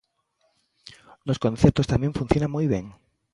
Nos concertos tamén funciona moi ben.